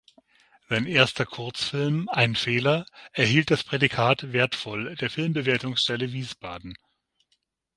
Sein erster Kurzfilm "Ein Fehler" erhielt das Prädikat „wertvoll“ der Filmbewertungsstelle Wiesbaden.